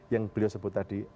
yang beliau sebut tadi